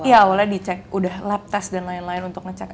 iya awalnya dicek udah lab test dan lain lain untuk ngecek